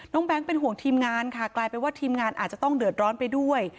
แก๊งเป็นห่วงทีมงานค่ะกลายเป็นว่าทีมงานอาจจะต้องเดือดร้อนไปด้วย